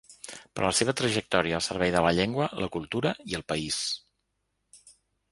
Per la seva trajectòria al servei de la llengua, la cultura i el país.